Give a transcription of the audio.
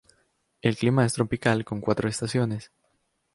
El clima es tropical con cuatro estaciones.